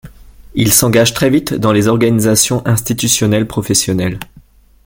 Il s'engage très vite dans les organisations institutionnelles professionnelles.